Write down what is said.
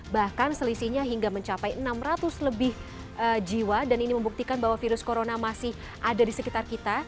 bahkan selisihnya hingga mencapai enam ratus lebih jiwa dan ini membuktikan bahwa virus corona masih ada di sekitar kita